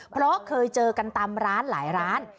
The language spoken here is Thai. เพราะเคยเจอกันตามร้านหลายร้าน